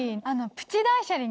プチ？